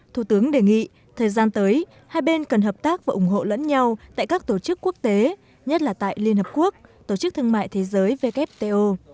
thủ tướng đề nghị thời gian tới hai bên cần hợp tác và ủng hộ lẫn nhau tại các tổ chức quốc tế nhất là tại liên hợp quốc tổ chức thương mại thế giới wto